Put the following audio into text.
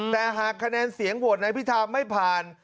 แต่หากคะแนนเสียงโหวตนายพิธาไม่ผ่าน